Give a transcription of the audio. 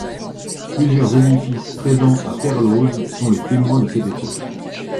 Plusieurs édifices présents à Perloz sont les témoins de cette époque.